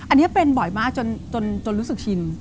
อันนี้เป็นบ่อยมากจนรู้สึกชิน